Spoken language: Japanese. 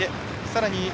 さらに